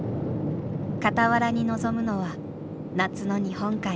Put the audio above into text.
傍らに望むのは夏の日本海。